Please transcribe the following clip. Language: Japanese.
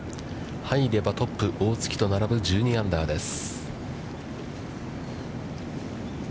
入ればトップ大槻と並ぶ１２アンダーです。